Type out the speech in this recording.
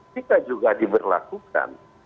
jika juga diberlakukan